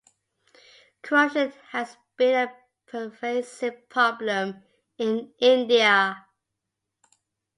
Corruption has been a pervasive problem in India.